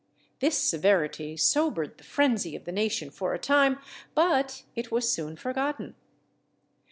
This severity sobered the frenzy of the nation for a time; but it was soon forgotten.